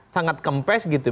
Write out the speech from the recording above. sangat kempes gitu